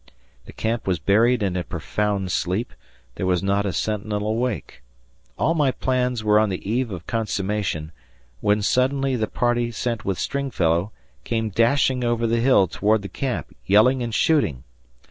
The camp was buried in a profound sleep; there was not a sentinel awake. All my plans were on the eve of consummation, when suddenly the party sent with Stringfellow came dashing over the hill toward the camp, yelling and shooting.